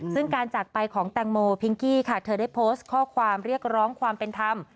ซึ่งการจากไปของแตงโมพิงกี้ค่ะเธอได้โพสต์ข้อความเรียกร้องความเป็นธรรม